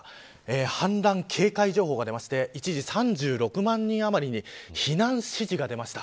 氾濫警戒情報が出まして一時３６万人余りに避難指示が出ました。